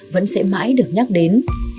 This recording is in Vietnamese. vẫn sẽ mãi được nhắc đến